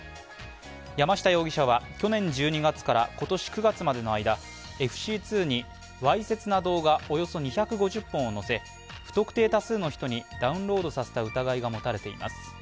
山下容疑者は去年１２月から今年９月までの間、ＦＣ２にわいせつな動画およそ２５０本を投稿し不特定多数の人にダウンロードさせた疑いが持たれています。